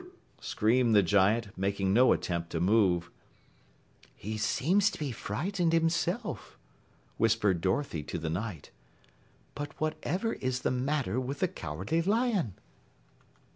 screamed the giant, making no attempt to move. "He seems to be frightened, himself," whispered Dorothy to the Knight. "But whatever is the matter with the Cowardly Lion?"